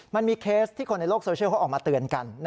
มันมีเคสที่คนในโลกโซเชียลเขาออกมาเตือนกัน